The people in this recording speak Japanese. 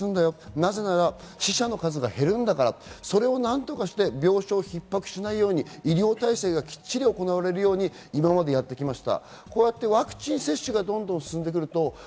なぜなら死者の数が減るんだから、それを病床逼迫しないように医療体制がきっちり行われるように今までやってきました。